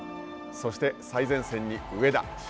そして、最前線に上田。